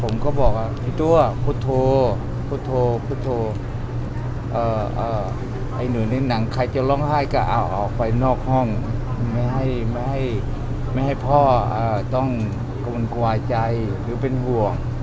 ไม่ให้พ่อต้องกลงไหวใจหรือเป็นห่วง